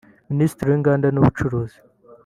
Minisitiri w’inganda n’ubucuruzi